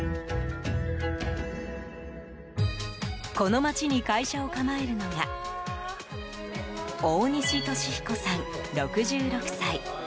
この街に会社を構えるのが大西俊彦さん、６６歳。